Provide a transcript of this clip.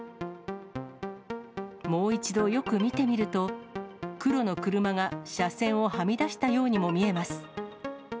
もう一度よく見てみると、黒の車が車線をはみ出したようにも見えます。